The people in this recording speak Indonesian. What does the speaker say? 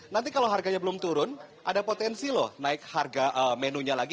nanti kalau harganya belum turun ada potensi loh naik harga menunya lagi